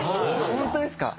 ホントですか？